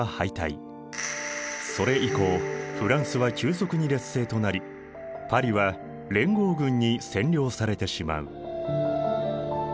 それ以降フランスは急速に劣勢となりパリは連合軍に占領されてしまう。